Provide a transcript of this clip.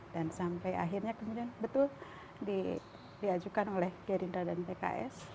dan sampai akhirnya kemudian betul diajukan oleh gerinda dan peja